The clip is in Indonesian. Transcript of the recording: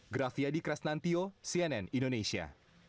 grafiadi krasnantio cnn indonesia